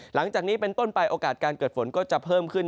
หลังจากนี้เป็นต้นไปโอกาสการเกิดฝนก็จะเพิ่มขึ้น